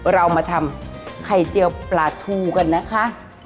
เรามาทำไข่เจียวปลาทูกันนะคะ